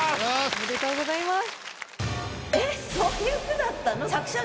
おめでとうございます。